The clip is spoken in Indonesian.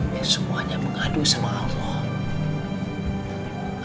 semuanya mengadu sama allah